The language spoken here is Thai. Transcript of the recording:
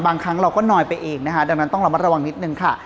บางครั้งเราก็น้อยไปเองนะคะดังนั้นต้องระมัดระวังนิดนึงค่ะ